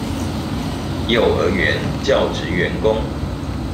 幼兒園教職員工